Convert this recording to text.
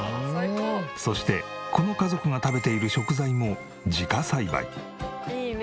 そしてこの家族が食べている食材も自家栽培。